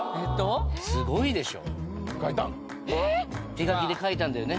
⁉手書きで書いたんだよね？